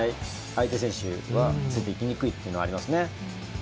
相手選手はついていきにくいというのはありますね。